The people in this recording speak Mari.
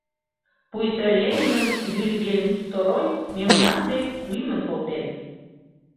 Пуйто Лениным Вильгельм Второй мемнан дек лӱмын колтен.